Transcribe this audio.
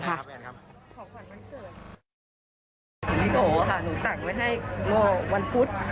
โอ้โฮค่ะหนูสั่งไว้ให้วันฟุต